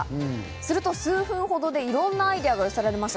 すると数分ほどで、いろんなアイデアが寄せられました。